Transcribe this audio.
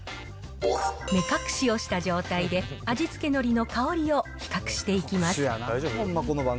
目隠しをした状態で、味付けのりの香りを比較していきます。